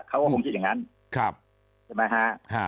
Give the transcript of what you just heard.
เขาก็คงคิดอย่างงั้นครับใช่ไหมฮะฮะ